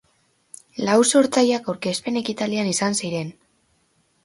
Lau sortzaileak aurkezpen ekitaldian izan ziren.